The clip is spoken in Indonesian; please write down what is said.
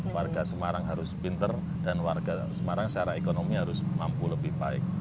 warga semarang harus pinter dan warga semarang secara ekonomi harus mampu lebih baik